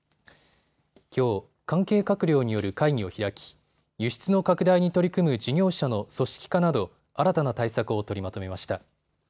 きょう関係閣僚による会議を開き輸出の拡大に取り組む事業者の組織化など、新たな対策を取りまとめました。